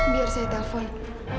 biar saya telepon